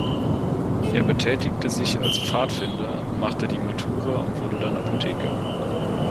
Er betätigte sich als Pfadfinder, machte die Matura und wurde dann Apotheker.